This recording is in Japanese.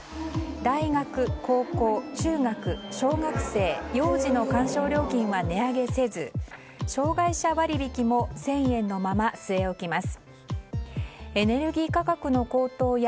大学、高校、中学小学生、幼児の鑑賞料金は値上げせず障害者割引も１０００円のまま据え置きします。